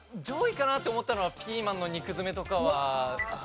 上位かなって思ったのはピーマンの肉詰めとかは。